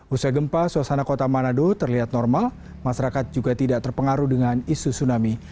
usai gempa suasana kota manado terlihat normal masyarakat juga tidak terpengaruh dengan isu tsunami